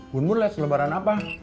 bun bun liat selebaran apa